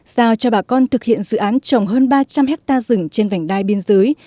giao cho bà con thực hiện dự án trồng hơn ba trăm linh hectare rừng trên vành đai biên giới